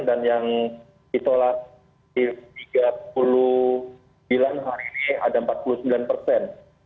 dan yang titolak di tiga puluh sembilan hari ini ada empat puluh sembilan persen